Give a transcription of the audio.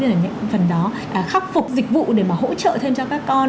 các giáo viên ở những phần đó khắc phục dịch vụ để mà hỗ trợ thêm cho các con